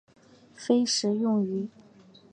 非食用鱼。